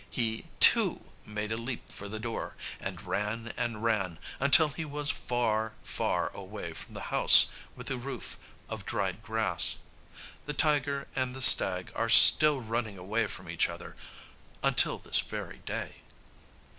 He, too, made a leap for the door and ran and ran until he was far, far away from the house with the roof of dried grass. The tiger and the stag are still running away from each other until this very day.